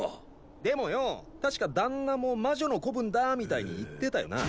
でもよぉ確か旦那も魔女の子分だみたいに言ってたよなあ？